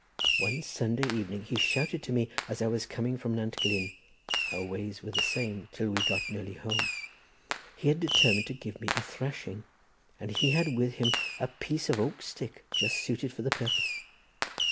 One Sunday evening he shouted to me as I was coming from Nantgyln—our ways were the same till we got nearly home—he had determined to give me a thrashing, and he had with him a piece of oak stick just suited for the purpose.